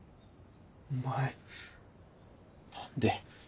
お前何で。